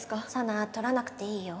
紗奈取らなくていいよ。